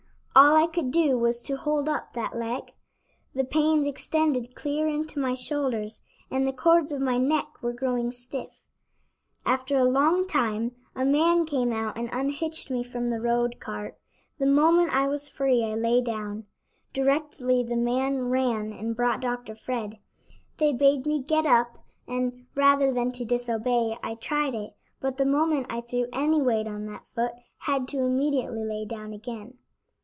All I could do was to hold up that leg. The pains extended clear into my shoulders, and the cords of my neck were growing stiff. After a long time, a man came out and unhitched me from the road cart. The moment I was free I lay down. Directly the man ran and brought Dr. Fred. They bade me get up, and, rather than to disobey, I tried it, but the moment I threw any weight on that foot had to immediately lay down again.